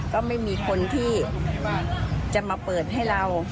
ก็ไม่มีคนที่จะมาเปิดให้เรา